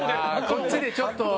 こっちでちょっと。